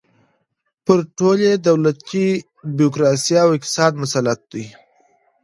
پر ټولې دولتي بیروکراسۍ او اقتصاد مسلط دی.